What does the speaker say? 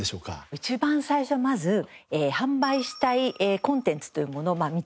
一番最初まず販売したいコンテンツというものを見繕います。